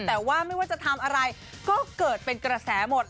แต่ว่าไม่ว่าจะทำอะไรก็เกิดเป็นกระแสหมด